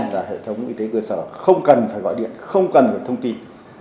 là hệ thống y tế cơ sở không cần phải gọi điện không cần phải thông tin